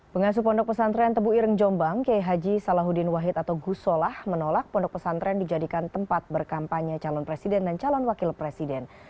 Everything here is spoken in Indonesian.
pengasuh pondok pesantren tebu ireng jombang k h salahuddin wahid atau gusolah menolak pondok pesantren dijadikan tempat berkampanye calon presiden dan calon wakil presiden